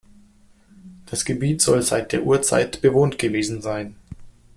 Das Gebiet soll seit der Urzeit bewohnt gewesen sein.